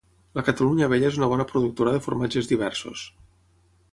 La Catalunya Vella és una bona productora de formatges diversos